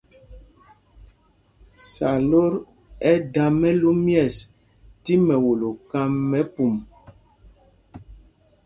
Sǎlot ɛ́ da mɛlú myɛ̂ɛs tí mɛwolo kám mɛ pum.